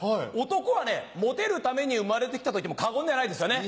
男はねモテるために生まれて来たと言っても過言ではないですよね。